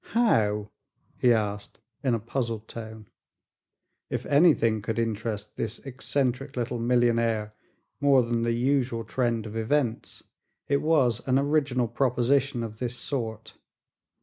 "How?" he asked in a puzzled tone. If anything could interest this eccentric little millionaire more than the usual trend of events it was an original proposition of this sort.